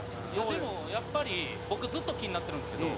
でもやっぱり僕ずっと気になってるんですけど